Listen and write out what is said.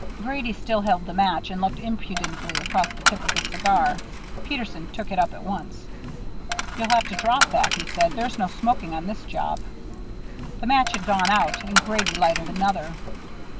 Grady still held the match, and looked impudently across the tip of his cigar. Peterson took it up at once. "You'll have to drop that," he said. "There's no smoking on this job." The match had gone out, and Grady lighted another.